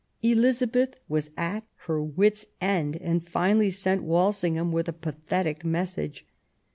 Elizabeth was at her wit's end, and finally sent Walsingham with a pathetic message.